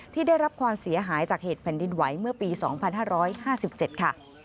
ที่ได้รับความเสียหายจากเหตุพันธิดไหวเมื่อปี๒๕๕๗ก่อน